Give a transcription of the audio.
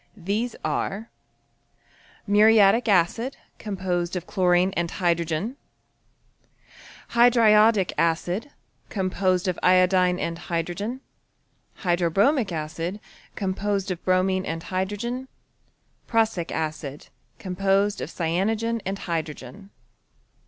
These are Muriatic acid, composedofchlorineand hydrogen. Hydriodic acid ■.. iodine and hydrogen Hydrobromic acid .. bromine and hydrogen PruHsic acid .... cyanogen and hydrogen.